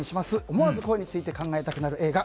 思わず恋について考えたくなる映画